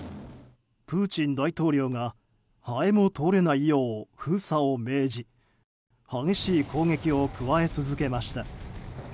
プーチン大統領がハエも通れないよう封鎖を命じ激しい攻撃を加え続けました。